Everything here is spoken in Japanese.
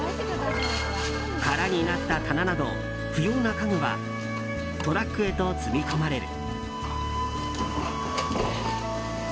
空になった棚など不要な家具はトラックへと積み込まれる。